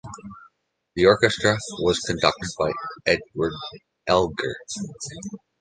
The orchestra was conducted by Edward Elgar.